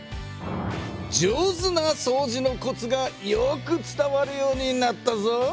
上手なそうじのコツがよく伝わるようになったぞ。